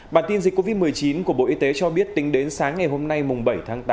bản tin dịch covid một mươi chín của bộ y tế cho biết tính đến sáng ngày hôm nay bảy tháng tám